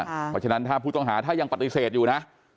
เพราะฉะนั้นถ้าผู้ต้องหาถ้ายังปฏิเสธอยู่นะ